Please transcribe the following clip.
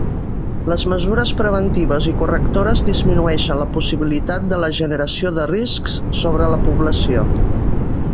Les mesures preventives i correctores disminueixen la possibilitat de la generació de riscs sobre la població.